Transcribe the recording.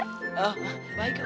oh baik baik iya